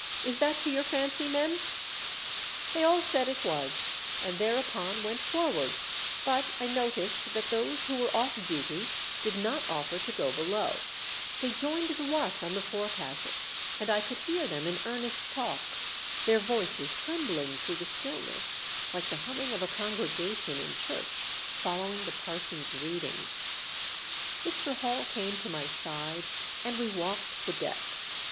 Is that to your fancy, men?" They all said it was, and thereupon went forward, but I noticed that those who were off duty did not offer to go below ; they joined the watch on the forecastle, and I 62 THE DEATH SHIP. could hear them in earnest talk, their voices trembling through the stillness like the hum ming of a congregation in church following the parson's reading, Mr. Hall came to my side and we walked the deck.